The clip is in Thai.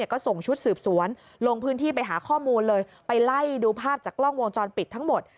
ก็ส่งชุดสืบสวนลงพื้นที่ไปหาข้อมูลเลยไปไล่ดูภาพจากกล้องวงจรปิดทั้งหมด